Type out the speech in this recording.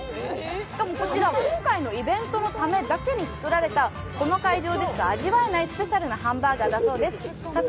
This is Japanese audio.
しかも、こちら今回のイベントのためだけに作られたこの会場でしか味わえないスペシャルなハンバーガーだそうです。